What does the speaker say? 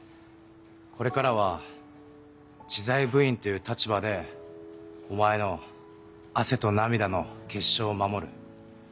「これからは知財部員という立場でお前の汗と涙の結晶を守る。